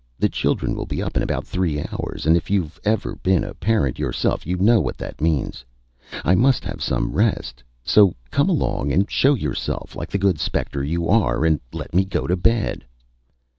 The children will be up in about three hours, and if you've ever been a parent yourself you know what that means. I must have some rest, so come along and show yourself, like the good spectre you are, and let me go to bed."